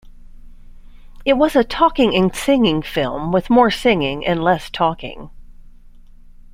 It was a talking and singing film with more singing and less talking.